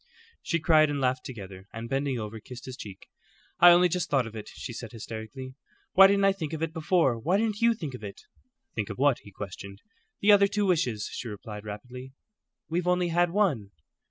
She cried and laughed together, and bending over, kissed his cheek. "I only just thought of it," she said, hysterically. "Why didn't I think of it before? Why didn't you think of it?" "Think of what?" he questioned. "The other two wishes," she replied, rapidly. "We've only had one."